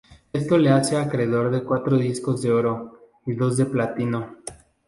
Esto le hace acreedor de cuatro discos de oro y dos de platino.